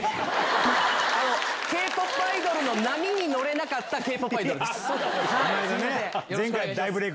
Ｋ−ＰＯＰアイドルの波に乗れなかったＫ−ＰＯＰアイドルです。